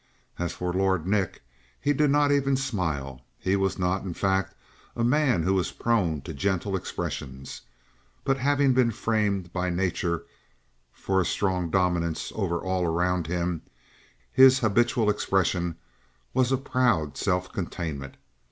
As for Lord Nick, he did not even smile. He was not, in fact, a man who was prone to gentle expressions, but having been framed by nature for a strong dominance over all around him, his habitual expression was a proud self containment.